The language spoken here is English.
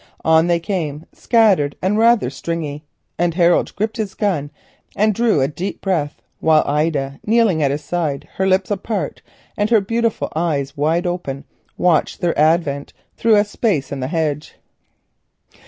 On they came, scattered and rather "stringy." Harold gripped his gun and drew a deep breath, while Ida, kneeling at his side, her lips apart, and her beautiful eyes wide open, watched their advent through a space in the hedge.